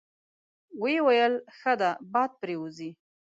ویې ویل: ښه ده، باد پرې وځي.